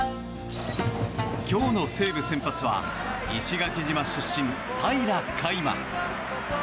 今日の西武先発は石垣島出身、平良海馬。